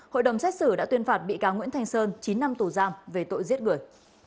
hội đồng xét xử đã tuyên phạt bị cáo nguyễn thanh sơn chín năm tù giam về tội giết người